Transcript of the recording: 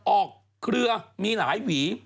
ออกเคลือมีหลายหวี